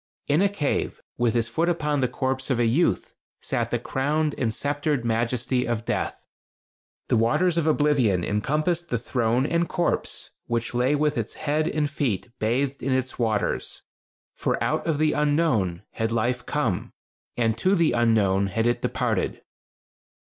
In a cave, with his foot upon the corpse of a youth, sat the crowned and sceptered majesty of Death. The waters of oblivion encompassed the throne and corpse, which lay with its head and feet bathed in its waters for out of the Unknown had life come, and to the Unknown had it departed.